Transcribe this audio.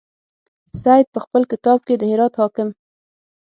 سید په خپل کتاب کې د هرات حاکم.